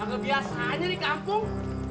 agak biasanya nih kampung